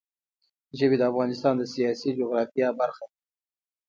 ژبې د افغانستان د سیاسي جغرافیه برخه ده.